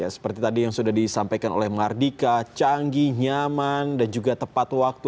seperti tadi yang sudah disampaikan oleh mardika canggih nyaman dan juga tepat waktu